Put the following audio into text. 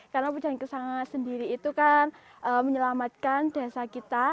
karena pujian kesangai itu menyelamatkan desa kita